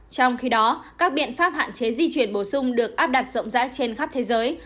trong khi đó các biện pháp hạn chế di chuyển bổ sung được áp đặt rộng rãi trên khắp thế giới